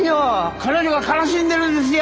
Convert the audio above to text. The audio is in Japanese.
彼女が悲しんでるんですよ！